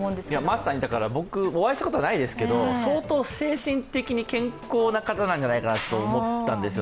まさに僕、お会いしたことないですけど相当精神的に健康な方なんじゃないかなと思ったんですよ。